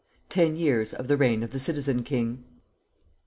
TEN YEARS OF THE REIGN OF THE CITIZEN KING.